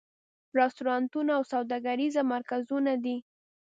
رستورانتونه او سوداګریز مرکزونه دي.